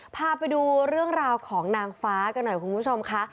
พาไปดูเรื่องราวของนางฟ้ากันหน่อยคุณผู้ชมค่ะ